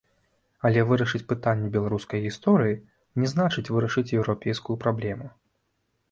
Але вырашыць пытанне беларускай гісторыі, не значыць вырашыць еўрапейскую праблему.